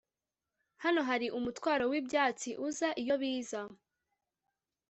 Hano hari umutwaro wibyatsi uzaiyo biza